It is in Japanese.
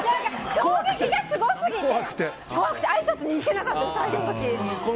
衝撃がすごすぎて、怖くてあいさつに行けなかったの。